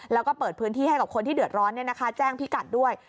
แล้วก็เปิดพื้นที่ให้กับคนที่เดือดร้อนแจ้งพิกัดด้วย